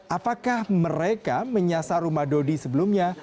apakah mereka menyasar rumah dodi sebelumnya